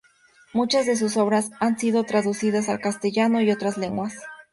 Muchas de sus obras han sido traducidas al castellano y otras lenguas.